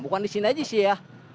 bukan di sini aja sih ya